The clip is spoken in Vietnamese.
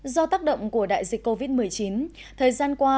do tác động của đại dịch covid một mươi chín thời gian qua